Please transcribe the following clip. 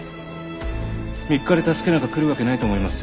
３日で助けなんか来るわけないと思いますよ。